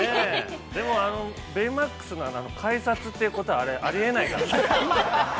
でも、ベイマックスの、改札ということは、あり得ないからね。